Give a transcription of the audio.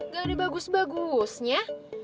gak ada bagus bagusnya